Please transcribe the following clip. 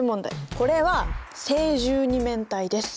これは正十二面体です。